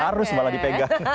harus malah dipegang